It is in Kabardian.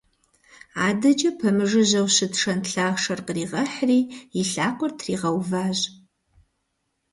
Адэкӏэ пэмыжыжьэу щыт шэнт лъахъшэр къригъэхьри и лъакъуэр тригъэуващ.